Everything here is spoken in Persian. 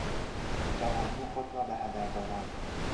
جوانی خود را به هدر دادن